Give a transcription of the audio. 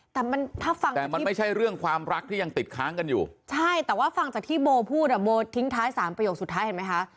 แต่มันถ้าฟังแต่มันไม่ใช่เรื่องความรักที่ยังติดค้างกันอยู่ใช่แต่ว่าฟังจากที่โบพูดอ่ะโบทิ้งท้ายสามประโยคสุดท้ายเห็นไหมคะ